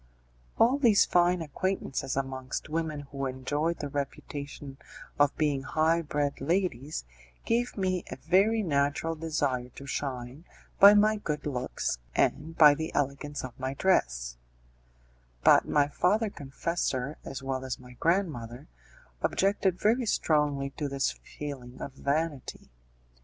All these fine acquaintances amongst women who enjoyed the reputation of being high bred ladies, gave me a very natural desire to shine by my good looks and by the elegance of my dress; but my father confessor, as well as my grandmother, objected very strongly to this feeling of vanity.